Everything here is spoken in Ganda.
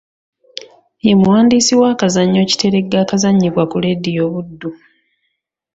Ye muwandiisi w’akazannyo Kiteregga akazannyibwa ku leediyo Buddu.